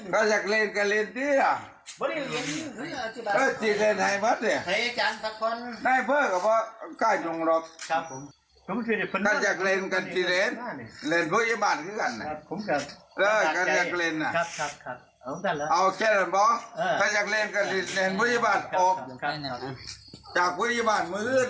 ถ้าอยากเล่นก็เล่นพุทธยาบาลครับครับจากพุทธยาบาลมือเลือดเลยครับผมครับ